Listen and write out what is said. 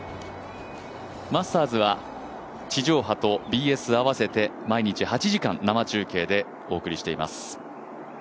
マスターズは地上波とＢＳ合わせて毎日８時間生中継でお送りしています。